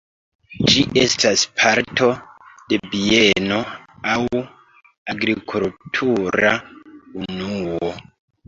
Ĝi estas parto de bieno aŭ agrikultura unuo.